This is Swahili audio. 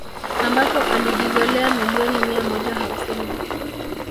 Ambapo alijizolea milioni mia moja hamsini